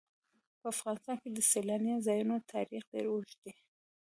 په افغانستان کې د سیلاني ځایونو تاریخ ډېر اوږد دی.